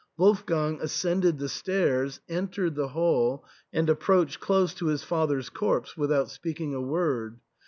Wolfgang ascended the stairs, entered the hall, and approached close to his father's corpse, without speak ing a word.